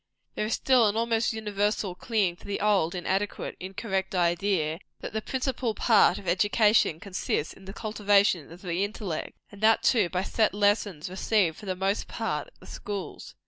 There is still an almost universal clinging to the old, inadequate, incorrect idea, that the principal part of education consists in the cultivation of the intellect; and that, too, by set lessons; received, for the most part, at the schools.